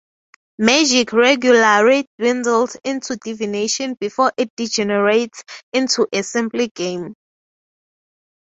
Magic regularly dwindles into divination before it degenerates into a simple game.